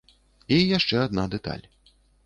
І яшчэ адна дэталь.